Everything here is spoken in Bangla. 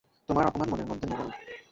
তোমার অপমান মনের মধ্যে নেব না।